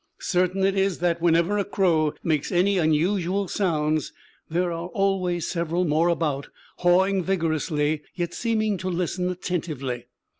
Certain it is that, whenever a crow makes any unusual sounds, there are always several more about, hawing vigorously, yet seeming to listen attentively.